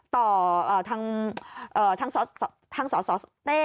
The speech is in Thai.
ต่อทางสสเต้